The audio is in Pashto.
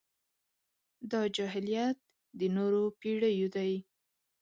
دا جاهلیت د نورو پېړيو دی.